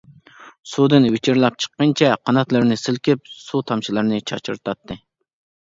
سۇدىن ۋىچىرلاپ چىققىنىچە قاناتلىرىنى سىلكىپ، سۇ تامچىلىرىنى چاچرىتاتتى.